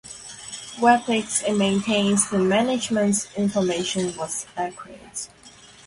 WebEx maintains the management's information was accurate.